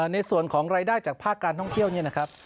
ในส่วนของรายได้จากภาคการท่องเที่ยวเนี่ยนะครับ